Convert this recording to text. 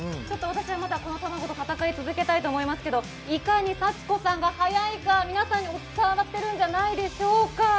私はまだこの玉子と戦い続けたいと思いますけどいかに幸子さんが速いか皆さんにも伝わってるんじゃないでしょうか。